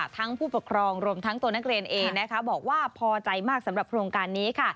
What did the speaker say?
ผู้ปกครองรวมทั้งตัวนักเรียนเองบอกว่าพอใจมากสำหรับโครงการนี้